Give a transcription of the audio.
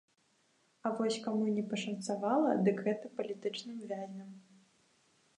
А вось каму не пашанцавала, дык гэта палітычным вязням.